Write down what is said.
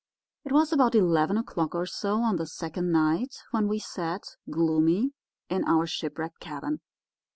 "It was about eleven o'clock or so on the second night when we sat, gloomy, in our shipwrecked cabin.